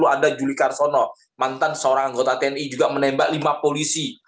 dua ribu sepuluh ada juli carsono mantan seorang anggota tni juga menembak lima polisi